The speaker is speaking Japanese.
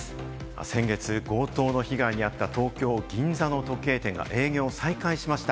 先月、強盗の被害にあった東京・銀座の時計店が営業を再開しました。